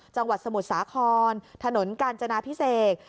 จังหวัดสมุทรสาครถนนกาญจนาพิเศษ